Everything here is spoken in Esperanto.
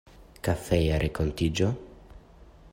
Kafeja renkontiĝo?